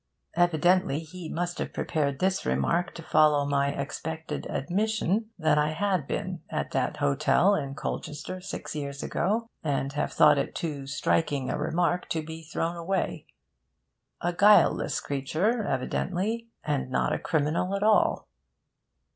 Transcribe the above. Evidently he must have prepared this remark to follow my expected admission that I had been at that hotel in Colchester six years ago, and have thought it too striking a remark to be thrown away. A guileless creature evidently, and not a criminal at all.